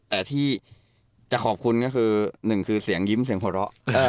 แต่ที่จะขอบคุณก็คือหนึ่งคือเสียงยิ้มเสียงหัวเราะ